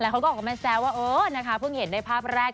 เขาก็ออกมาแซวว่าเออนะคะเพิ่งเห็นได้ภาพแรก